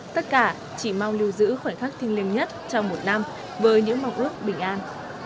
tất cả chỉ mong lưu giữ khoảnh khắc thiêng liêng nhất trong một năm với những mong ước bình an